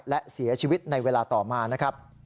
และเสียชีวิตในเวลาต่อมานะครับ